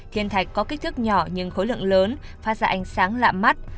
thiên thạch có kích thước nhỏ nhưng khối lượng lớn phát ra ánh sáng lạ mắt